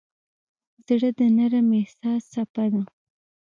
زړه د نرم احساس څپه ده.